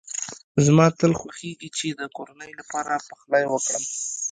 زما تل خوښېږی چي د کورنۍ لپاره پخلی وکړم.